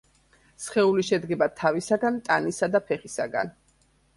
სხეული შედგება თავისაგან, ტანისა და ფეხისაგან.